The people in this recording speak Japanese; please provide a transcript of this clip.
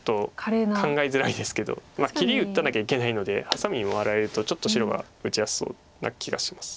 切り打たなきゃいけないのでハサミに回られるとちょっと白が打ちやすそうな気がします。